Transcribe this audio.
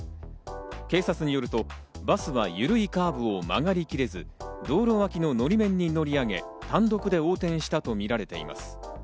警察によると、バスはゆるいカーブを曲がり切れず、道路脇ののり面に乗り上げ、単独で横転したとみられています。